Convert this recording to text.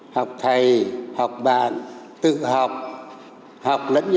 học thầy học bạn tự học học lẫn nhau v v